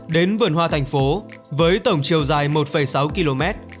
đến vườn hoa thành phố với tổng chiều dài một sáu km